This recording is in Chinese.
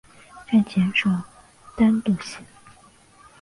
站前设单渡线。